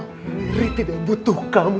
riri tidak butuh kamu